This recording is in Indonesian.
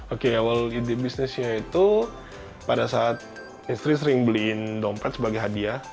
oke awal ide bisnisnya itu pada saat istri sering beliin dompet sebagai hadiah